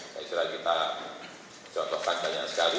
saya kira kita contohkan banyak sekali